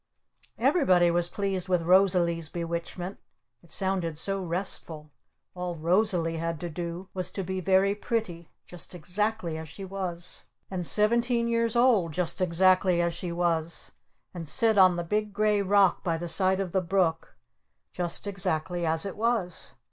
Everybody was pleased with Rosalee's bewitchment. It sounded so restful. All Rosalee had to do was to be very pretty, just exactly as she was! And seventeen years old, just exactly as she was! And sit on the big gray rock by the side of the brook just exactly as it was!